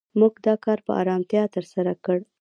موږ دا کار په آرامتیا تر سره کړ.